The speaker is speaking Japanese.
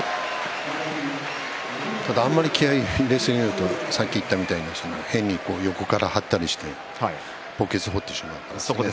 ただあまり気合いを入れすぎるとさっきみたいに変に横から張ったりして墓穴を掘ってしまいますからね。